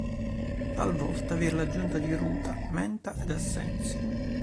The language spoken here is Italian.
Talvolta vi è l'aggiunta di ruta, menta ed assenzio.